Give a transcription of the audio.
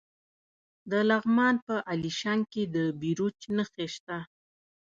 د لغمان په الیشنګ کې د بیروج نښې شته.